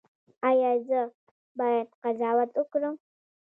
ایا زه باید قضاوت وکړم؟